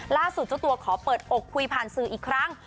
เจ้าตัวขอเปิดอกคุยผ่านสื่ออีกครั้ง